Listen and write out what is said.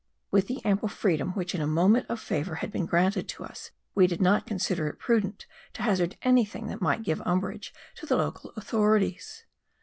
With the ample freedom which in a moment of favour had been granted to us, we did not consider it prudent to hazard anything that might give umbrage to the local authorities.